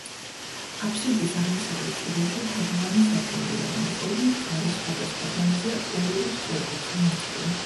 აფსიდის აღმოსავლეთ კედელში თაღოვანი სარკმელია, რომლის ორივე მხარეს სხვადასხვა დონეზე ორ-ორი სწორკუთხა ნიშია.